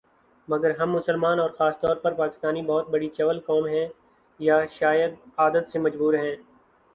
مگر ہم مسلمان اور خاص طور پر پاکستانی بہت بڑی چول قوم ہیں ، یا شاید عادت سے مجبور ہیں